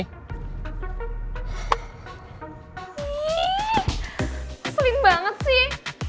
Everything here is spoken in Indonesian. wih seling banget sih